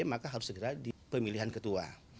maka harus segera di pemilihan ketua